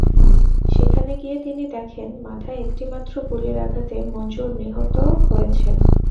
সেখানে গিয়ে তিনি দেখেন, মাথায় একটিমাত্র গুলির আঘাতে মঞ্জুর নিহত হয়েছেন।